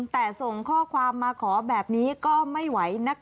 แต่ส่งข้อความมาขอแบบนี้ก็ไม่ไหวนะคะ